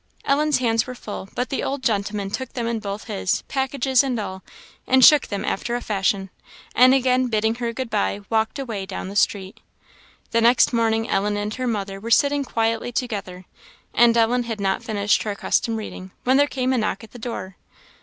Ellen's hands were full, but the old gentleman took them in both his, packages and all, and shook them after a fashion, and again bidding her good bye, walked away down the street. The next morning Ellen and her mother were sitting quietly together, and Ellen had not finished her accustomed reading, when there came a knock at the door.